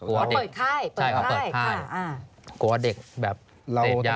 เปิดค่าย